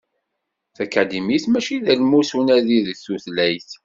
Takadimit mačči d almus unadi deg tutlayt.